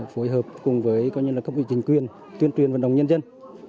phối hợp cùng với các vị trình quyền tuyên truyền vận động nhân dân